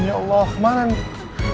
ya allah kemana nih